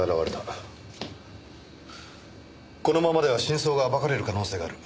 このままでは真相が暴かれる可能性がある。